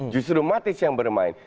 justru matic yang bermain